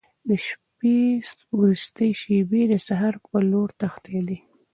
د شپې وروستۍ شېبې د سهار په لور تښتېدې.